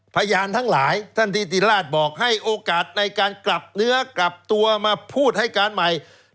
พยานทั้งหลายท่านธิติราชบอกให้โอกาสในการกลับเนื้อกลับตัวมาพูดให้การใหม่